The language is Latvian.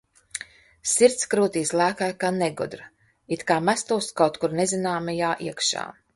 Sirds krūtīs lēkāja kā negudra, it kā mestos kaut kur nezināmajā iekšā.